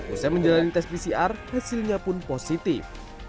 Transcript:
usai menjalani tes pcr hasilnya pun positif